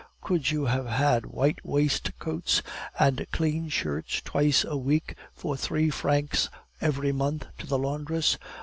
Could you have had white waistcoats and clean shirts twice a week for three francs every month to the laundress?